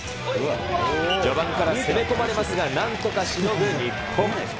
序盤から攻め込まれますが、なんとかしのぐ日本。